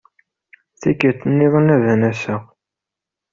Tikkelt-nniḍen ad n-aseɣ.